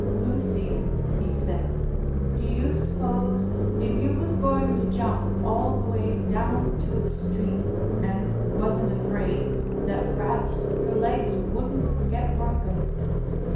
"Lucy," he said. "Do you s'pose if you was going to jump all the way down to the street and wasn't afraid that p'r'aps your legs wouldn't get broken?"